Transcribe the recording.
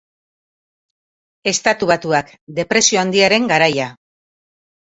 Estatu Batuak, Depresio Handiaren garaia.